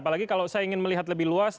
apalagi kalau saya ingin melihat lebih luas